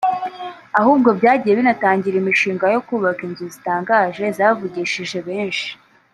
ahubwo byagiye binatangira imishinga yo kubaka inzu zitangaje zavugishije benshi